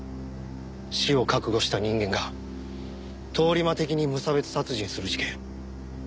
死を覚悟した人間が通り魔的に無差別殺人する事件。